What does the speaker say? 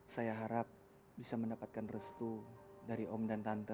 saya harap bisa mendapatkan restu dari om dan tante